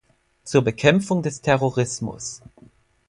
Zur Bekämpfung des Terrorismus!